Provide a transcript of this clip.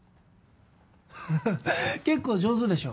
フフッ結構上手でしょ？